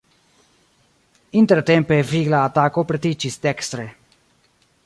Intertempe vigla atako pretiĝis dekstre.